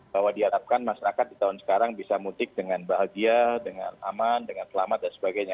bahwa diharapkan masyarakat di tahun sekarang bisa mudik dengan bahagia dengan aman dengan selamat dan sebagainya